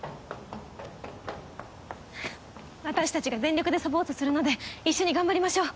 私たちが全力でサポートするので一緒に頑張りましょう。